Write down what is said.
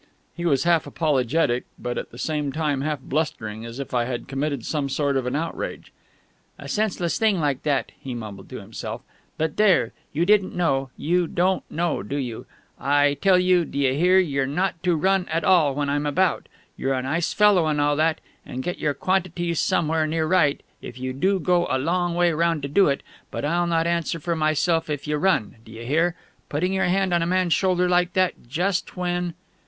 He was half apologetic, but at the same time half blustering, as if I had committed some sort of an outrage. "A senseless thing like that!" he mumbled to himself. "But there: you didn't know.... You don't know, do you?... I tell you, d'you hear, you're not to run at all when I'm about! You're a nice fellow and all that, and get your quantities somewhere near right, if you do go a long way round to do it but I'll not answer for myself if you run, d'you hear?... Putting your hand on a man's shoulder like that, just when